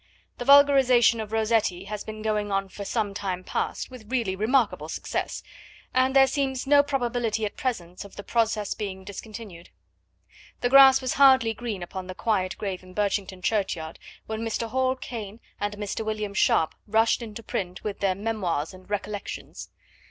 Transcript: The vulgarisation of Rossetti has been going on for some time past with really remarkable success, and there seems no probability at present of the process being discontinued. The grass was hardly green upon the quiet grave in Birchington churchyard when Mr. Hall Caine and Mr. William Sharp rushed into print with their Memoirs and Recollections.